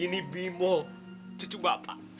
ini bimo cucu bapak